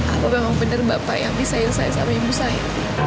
aku memang benar bapak yang bisa irsa irsa sama ibu saya